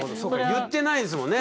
言ってないですもんね